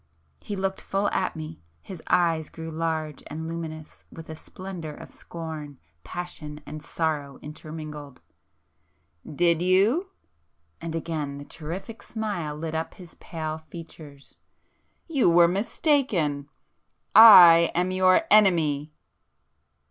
He looked full at me, ... his eyes grew large and luminous with a splendour of scorn, passion and sorrow intermingled. "Did you?" and again the terrific smile lit up his pale features,—"You were mistaken! I am your Enemy!"